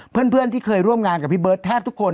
เพื่อนที่เคยร่วมงานกับพี่เบิร์ตแทบทุกคน